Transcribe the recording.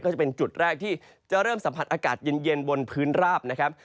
ก็จะเป็นจุดแรกที่จะเริ่มสัมผัสอากาศเย็นบนพื้นราบนะครับ